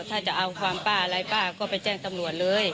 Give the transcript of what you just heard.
ถ้าจะเอาความป้าอะไรป้าก็ไปแจ้งตำรวจเลย